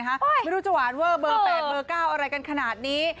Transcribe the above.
ไม่รู้จะหวานเวอร์เบอร์๘เบอร์๙อะไรกันขนาดนี้